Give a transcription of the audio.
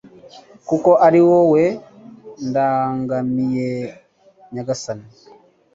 kuko ari wowe ndangamiye Nyagasani